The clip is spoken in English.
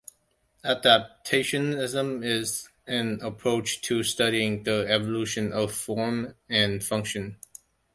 Adaptationism is an approach to studying the evolution of form and function.